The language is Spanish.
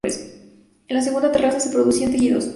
En la segunda terraza se producían tejidos.